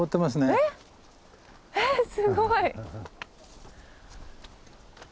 えっすごい。